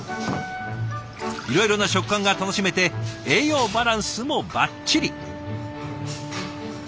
いろいろな食感が楽しめて栄養バランスもばっちり。